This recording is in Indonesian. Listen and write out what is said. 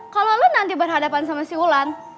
kalo lo nanti berhadapan sama si ulan